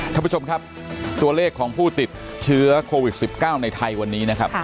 ท่านผู้ชมครับตัวเลขของผู้ติดเชื้อโควิด๑๙ในไทยวันนี้นะครับ